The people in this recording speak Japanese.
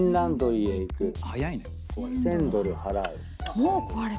もう壊れたの？